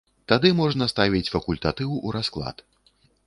Тады можна ставіць факультатыў у расклад.